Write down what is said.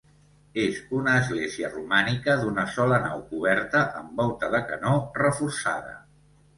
És una església romànica d'una sola nau coberta amb volta de canó reforçada.